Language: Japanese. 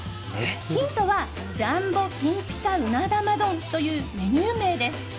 ヒントはジャンボ金ピカ鰻玉丼というメニュー名です。